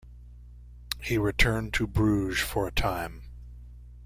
He returned to Bruges for a time.